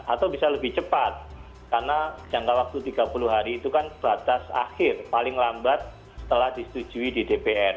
atau bisa lebih cepat karena jangka waktu tiga puluh hari itu kan batas akhir paling lambat setelah disetujui di dpr